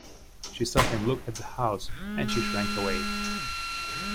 She saw him look at the house, and she shrank away.